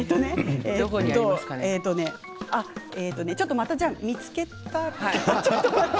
ちょっとまた見つけたら。